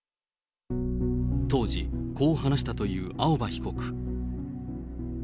当時、こう話したという青葉被告。